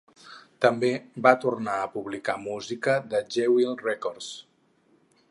També va tornar a publicar música de Jewel Records.